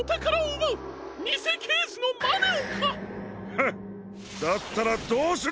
フッだったらどうする！？